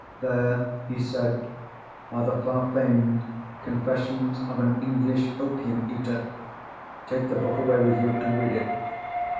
"There," he said, "are the far famed Confessions of an English Opium Eater! Take the book away with you, and read it.